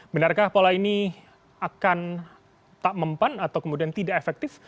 benarkah pola ini akan tak mempan atau kemudian tidak efektif